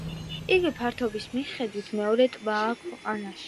იგი ფართობის მიხედვით მეორე ტბაა ქვეყანაში.